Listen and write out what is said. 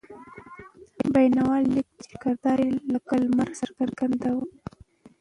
بېنوا لیکي چې کردار یې لکه لمر څرګند دی.